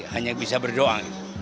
hanya bisa berdoa